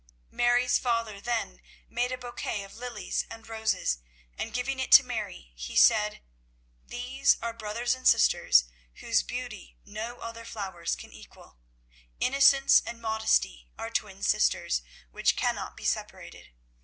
Mary's father then made a bouquet of lilies and roses, and, giving it to Mary, he said, "These are brothers and sisters, whose beauty no other flowers can equal. Innocence and modesty are twin sisters, which cannot be separated.